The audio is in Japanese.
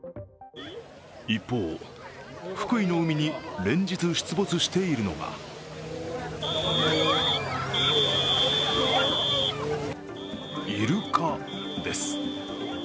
一方、福井の海に連日出没しているのがイルカです。